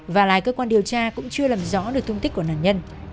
và lại cơ quan điều tra cũng chưa làm rõ được thông tích của nạn nhân